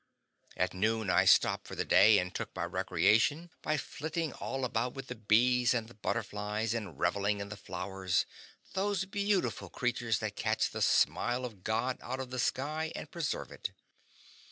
At noon I stopped for the day and took my recreation by flitting all about with the bees and the butterflies and reveling in the flowers, those beautiful creatures that catch the smile of God out of the sky and preserve it!